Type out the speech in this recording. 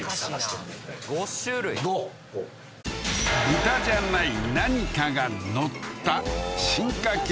５豚じゃない何かが載った進化形